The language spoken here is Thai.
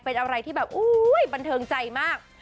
เป็นอะไรก็ปัญเทิงใจมาก